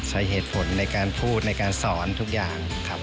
ใช้เหตุผลในการพูดในการสอนทุกอย่างครับ